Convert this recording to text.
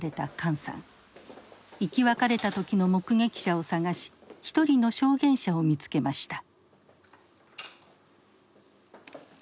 生き別れた時の目撃者を探し一人の証言者を見つけました。